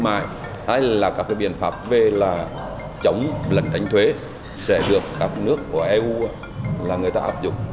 mại hay là các biện pháp về là chống lận đánh thuế sẽ được các nước của eu là người ta áp dụng